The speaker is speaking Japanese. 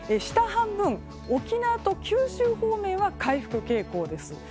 下半分、沖縄と九州方面は回復傾向です。